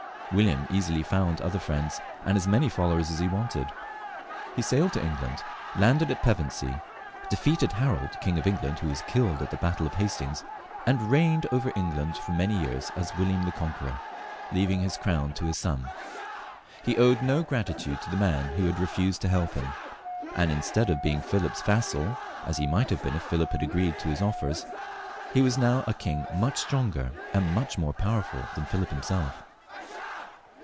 William easily found other friends, and as many followers as he wanted ; he sailed to England, landed at Pevensey, defeated Harold King of England^ who was killed at the battle of Hastings, and reigned over England for many years as William the Conqueror, leaving his crown to his son. He owed no gratitude to the man who had refused to help him, and instead of being Philip's vassal, as he might have been if Philip had agreed to his offers, he was now a king much stronger and more powerful than Philip himself.